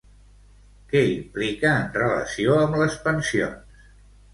Què implica en relació amb les pensions?